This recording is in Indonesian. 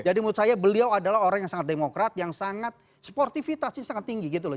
jadi menurut saya beliau adalah orang yang sangat demokrat yang sangat sportivitasnya sangat tinggi gitu loh